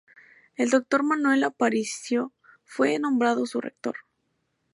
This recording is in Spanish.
El Doctor Manuel Aparicio fue nombrado su rector.